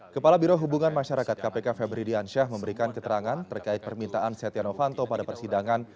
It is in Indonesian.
kepala biro hubungan masyarakat kpk febri diansyah memberikan keterangan terkait permintaan setia novanto pada persidangan